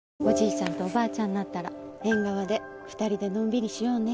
ちゃんとおばあちゃんになったら縁側で２人でのんびりしようね。